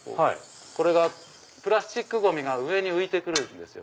これがプラスチックゴミが上に浮いて来るんですよ。